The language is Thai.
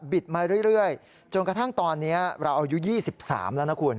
มาเรื่อยจนกระทั่งตอนนี้เราอายุ๒๓แล้วนะคุณ